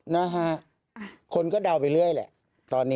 นะฮะคนก็เดาไปเรื่อยแหละตอนนี้